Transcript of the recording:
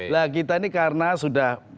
lah kita ini karena sudah